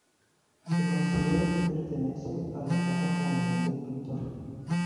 Se considera que pertenece a la etapa juvenil del pintor.